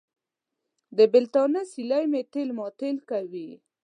د بېلتانه سیلۍ مې تېل ماټېل کوي.